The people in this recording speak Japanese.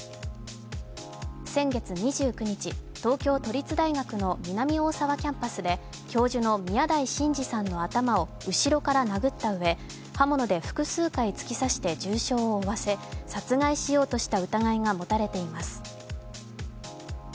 先月２９日、東京都立大学の南大沢キャンパスで教授の宮台真司さんの頭を後ろから殴ったうえ、刃物で複数回突き刺して重傷を負わせ殺害しようとした疑いが持たれています。